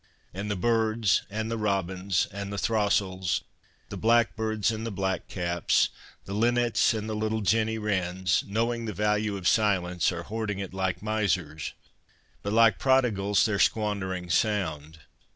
And the birds, the robins and the throstles, the blackbirds and the blackcaps, the linnets and the little Jenny wrens, knowing the value of silence, are hoarding it like misers ; but, like prodigals, they're squander ing sound.